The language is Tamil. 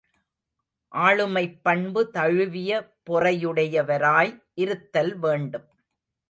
ஆளுமைப்பண்பு தழுவிய பொறையுடையவராய் இருத்தல் வேண்டும்.